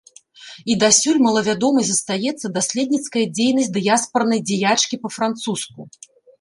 І дасюль малавядомай застаецца даследніцкая дзейнасць дыяспарнай дзяячкі па-французску.